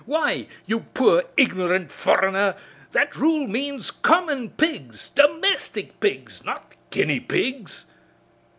Why, you poor ignorant foreigner, that rule means common pigs, domestic pigs, not guinea pigs!"